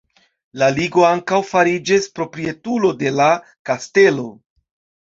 La ligo ankaŭ fariĝis proprietulo de la kastelo.